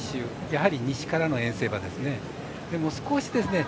やはり西からの遠征馬ですね。